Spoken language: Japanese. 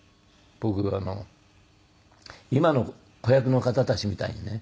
僕が今の子役の方たちみたいにね